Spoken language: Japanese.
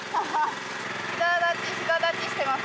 膝立ち膝立ちしてます。